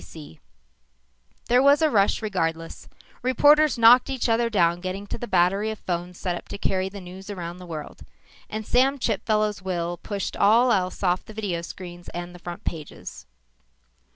S. B. C._" There was a rush regardless. Reporters knocked each other down getting to the battery of phones set up to carry the news around the world. And Sam Chipfellow's will pushed all else off the video screens and the front pages.